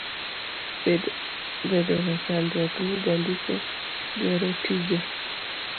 Bedoga chandruok ni jandiko gero tije.